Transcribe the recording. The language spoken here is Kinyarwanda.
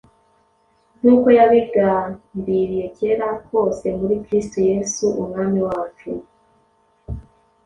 nk’uko yabigambiriye kera kose muri Kristo Yesu Umwami wacu.